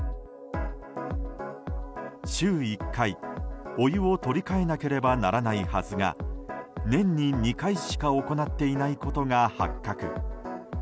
週１回、お湯を取り替えなければならないはずが年に２回しか行っていないことが発覚。